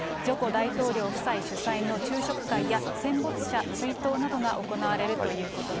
大統領夫妻主催の昼食会や、戦没者追悼などが行われるということです。